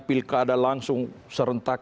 pilkada langsung serentak